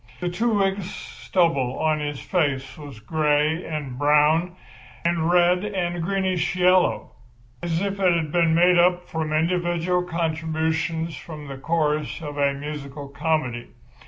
The two weeks' stubble on his face was grey and brown and red and greenish yellow—as if it had been made up from individual contributions from the chorus of a musical comedy.